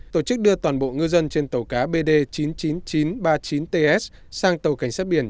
tổ chức đưa toàn bộ ngư dân trên tàu cá bd chín trăm chín mươi chín ba mươi chín ts sang tàu cảnh sát biển chín nghìn một